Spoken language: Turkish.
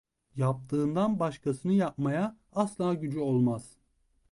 Yaptığından başkasını yapmaya asla gücü olmaz.